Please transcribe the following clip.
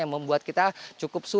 yang membuat kita cukup